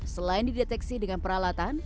selain dideteksi dengan peralatan